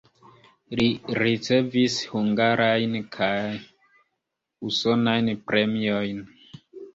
Li ricevis hungarajn kaj usonajn premiojn.